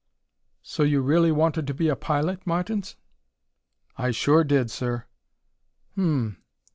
"So you really wanted to be a pilot, Martins?" "I sure did, sir." "Um m.